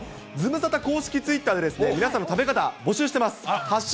ズムサタ公式ツイッターでは、皆さんの食べ方、募集してます。